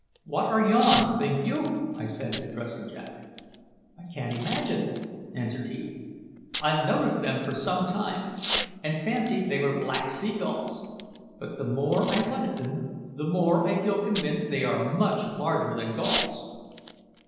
"What are yon, think you?" I said, addressing Jack. "I can't imagine," answered he. "I've noticed them for some time, and fancied they were black sea gulls; but the more I look at them, the more I feel convinced they are much larger than gulls."